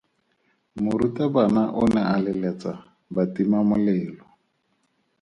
Morutabana o ne a leletsa batimamolelo.